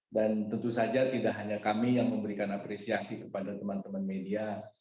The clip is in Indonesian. dan tentu saja tidak hanya kami yang memberikan apresiasi kepada teman teman media